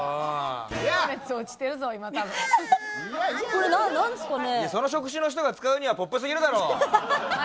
これなんですかね？